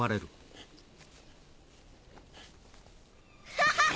ハハハ！